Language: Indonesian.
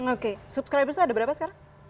okay subscribers nya ada berapa sekarang